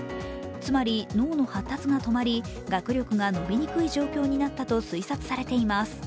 つまり、脳の発達が止まり、学力が伸びにくい状況になったと推察されています。